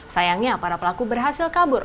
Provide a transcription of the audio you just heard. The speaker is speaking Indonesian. sayangnya para pelaku berhasil kabur